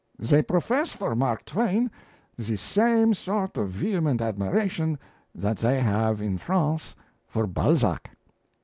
They profess for Mark Twain the same sort of vehement admiration that we have in France for Balzac."